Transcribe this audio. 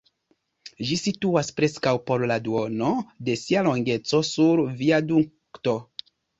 Ĝi situas preskaŭ por la duono de sia longeco sur viadukto.